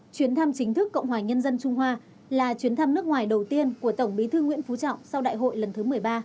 chuyến thăm chính thức cộng hòa nhân dân trung hoa là chuyến thăm nước ngoài đầu tiên của tổng bí thư nguyễn phú trọng sau đại hội lần thứ một mươi ba